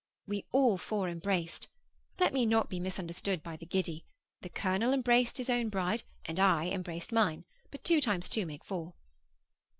We all four embraced. Let me not be misunderstood by the giddy. The colonel embraced his own bride, and I embraced mine. But two times two make four.